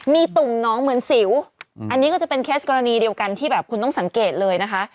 มีตุ่มน้องเหมือนสิวอันนี้ก็จะเป็นเคสกรณีเดียวกันที่แบบคุณต้องสังเกตเลยนะคะ